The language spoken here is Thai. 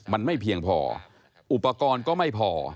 มันไม่เพียงพออุปกรณ์ก็ไม่พอ